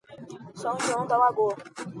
São João da Lagoa